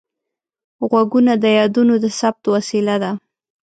غوږونه د یادونو د ثبت وسیله ده